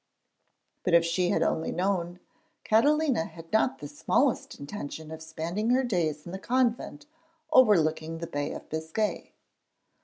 But if she had only known, Catalina had not the smallest intention of spending her days in the convent overlooking the Bay of Biscay.